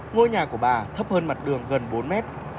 ngôi nhà của bà thấp hơn mặt đường gần bốn mét